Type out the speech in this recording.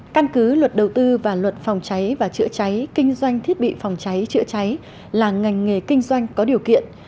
căn cứ luật đầu tư và luật phòng cháy và chữa cháy kinh doanh thiết bị phòng cháy chữa cháy là ngành nghề kinh doanh có điều kiện